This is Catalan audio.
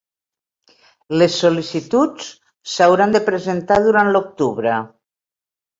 Les sol·licituds s’hauran de presentar durant l’octubre.